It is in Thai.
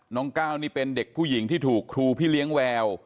ก้าวนี่เป็นเด็กผู้หญิงที่ถูกครูพี่เลี้ยงแวว